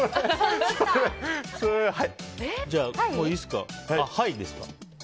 じゃあ、もういいですか。